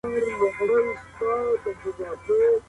ما مخکي د موسیقۍ زده کړه کړې وه.